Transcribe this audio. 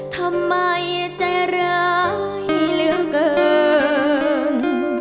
ทำไมใจร้ายเหลือเกิน